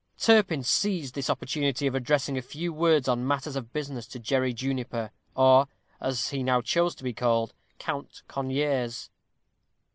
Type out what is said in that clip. Turpin seized this opportunity of addressing a few words on matters of business to Jerry Juniper, or, as he now chose to be called, Count Conyers.